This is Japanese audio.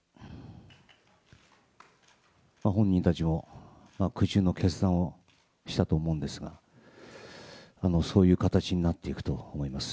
本人たちも苦渋の決断をしたと思うんですが、そういう形になっていくと思います。